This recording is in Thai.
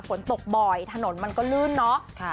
ฝนตกบ่อยถนนมันก็ลื่นเนาะ